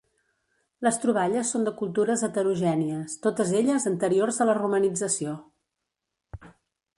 Les troballes són de cultures heterogènies, totes elles anteriors a la romanització.